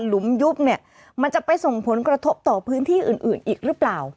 ลุมยุบเนี่ยมันจะไปส่งผลกระทบต่อพื้นที่อื่นอื่นอีกหรือเปล่า